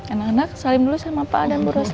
anak anak salim dulu sama pak al dan bu rosa